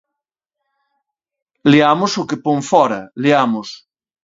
Leamos o que pon fóra, leamos: